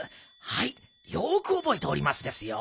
はいよくおぼえておりますですよ」。